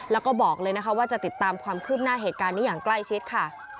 แล้วก็บอกเลยนะคะว่าจะติดตามความคืบหน้าเหตุการณ์นี้อย่างใกล้ชิดค่ะ